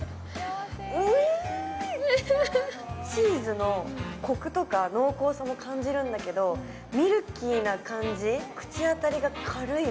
チーズのコクとか濃厚さも感じられるんだけどミルキーな感じ、口当たりが軽いの。